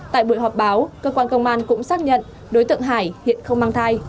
tại buổi họp báo cơ quan công an cũng xác nhận đối tượng hải hiện không mang thai